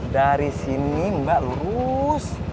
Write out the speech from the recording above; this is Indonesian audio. dari sini mbak lurus